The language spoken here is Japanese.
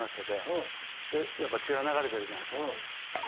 やっぱ血が流れてるじゃないですか。